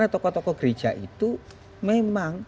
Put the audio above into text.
tokoh tokoh gereja itu memang